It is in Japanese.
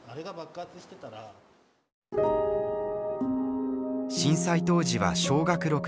震災当時は小学６年生。